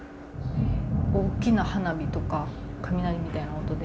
大きな花火とか雷みたいな音で。